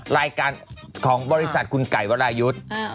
รายการของบริษัทคุณไก่วรายุทธ์